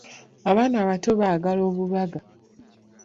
Abaana abato baagala obubaga.